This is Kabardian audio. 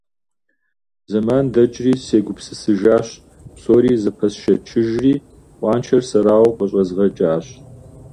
Зэман дэкӀри, сегупсысыжащ, псори зэпэсшэчыжри, къуаншэр сэрауэ къыщӀэзгъэкӀащ.